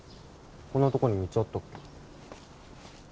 こんなとこに道あったっけ？